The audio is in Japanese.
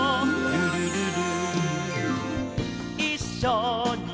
「ルルルル」